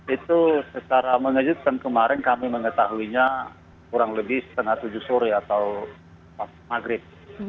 itu secara mengejutkan kemarin kami mengetahuinya kurang lebih setengah tujuh sore atau maghrib